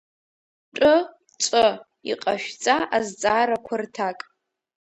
Тә ҵә иҟашәҵа азҵаарақәа рҭак.